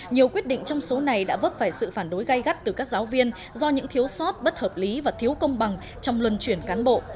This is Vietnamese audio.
nhiều quyết định trong số này đã vấp phải sự phản đối gây gắt từ các giáo viên do những thiếu sót bất hợp lý và thiếu công bằng trong luân chuyển cán bộ